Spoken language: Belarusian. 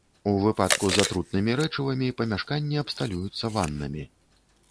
У выпадку з атрутнымі рэчывамі памяшканні абсталююцца ваннамі.